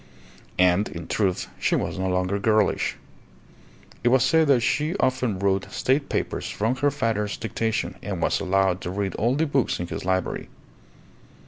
And, in truth, she was no longer girlish. It was said that she often wrote State papers from her father's dictation, and was allowed to read all the books in his library.